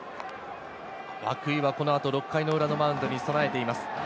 涌井はこの後、６回の裏のマウンドに備えています。